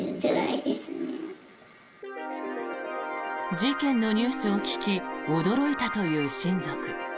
事件のニュースを聞き驚いたという親族。